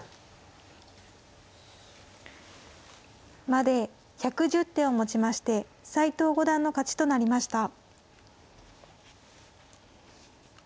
まで１１０手をもちまして斎藤五段の勝ちとなりました。